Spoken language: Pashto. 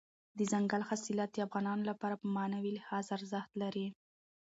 دځنګل حاصلات د افغانانو لپاره په معنوي لحاظ ارزښت لري.